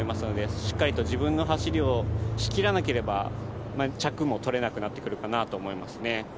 しっかりと自分の走りをしきらなければ取れなくなってくるかなと思います。